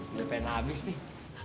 udah pengen habis nih